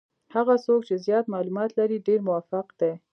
هغه څوک چې زیات معلومات لري ډېر موفق دي.